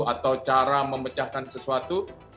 atau cara memecahkan sesuatu